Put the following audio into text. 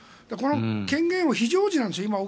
この権限を非常時なんですよ